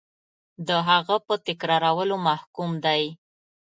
د هغه په تکرارولو محکوم دی.